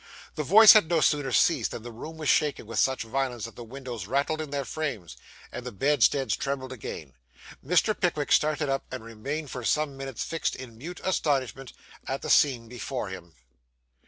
The voice had no sooner ceased than the room was shaken with such violence that the windows rattled in their frames, and the bedsteads trembled again. Mr. Pickwick started up, and remained for some minutes fixed in mute astonishment at the scene before him.